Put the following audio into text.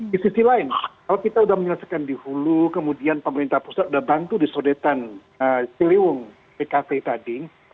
di sisi lain kalau kita sudah menyelesaikan dihulu kemudian pemerintah pusat sudah bantu disodetan siliwung pkt tadi